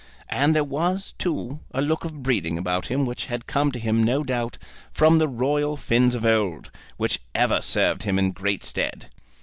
And there was, too, a look of breeding about him which had come to him, no doubt, from the royal Finns of old, which ever served him in great stead.